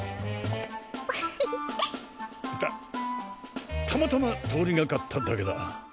ウフフたたまたま通りがかっただけだ